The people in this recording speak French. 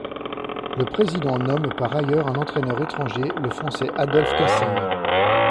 Le président nomme par ailleurs un entraîneur étranger, le Français Adolphe Cassaigne.